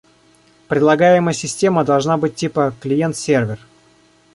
Предлагаемая система должна быть типа «Клиент-сервер»